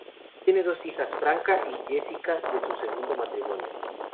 Tiene dos hijas, Franca y Jessica, de su segundo matrimonio.